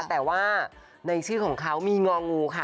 แต่ว่าในชื่อของเขามีงองูค่ะ